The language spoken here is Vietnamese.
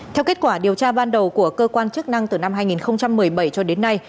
theo kết quả điều tra ban đầu của cơ quan chức năng từ năm hai nghìn một mươi bảy cho đến nay